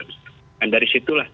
dan dari situlah